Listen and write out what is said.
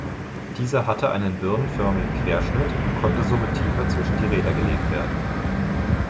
Dieser hatte einen birnenförmigen Querschnitt und konnte somit tiefer zwischen die Räder gelegt werden.